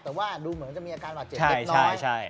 แต่ว่าดูเหมือนจะมีอาการบาดเจ็บเล็กน้อย